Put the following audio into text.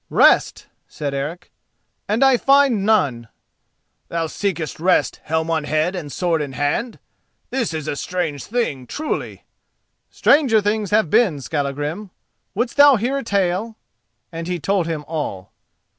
"Rest," said Eric, "and I find none." "Thou seekest rest helm on head and sword in hand? This is a strange thing, truly!" "Stranger things have been, Skallagrim. Wouldst thou hear a tale?" and he told him all.